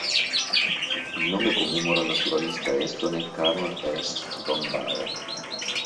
Il nome commemora il naturalista estone Karl Ernst von Baer.